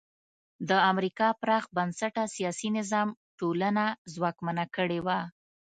د امریکا پراخ بنسټه سیاسي نظام ټولنه ځواکمنه کړې وه.